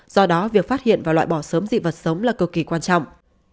do đó việc phát hiện và loại bỏ sớm dị vật sống là cực kỳ quan trọng